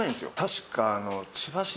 確か。